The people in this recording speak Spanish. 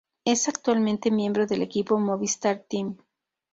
Es actualmente miembro del equipo Movistar Team.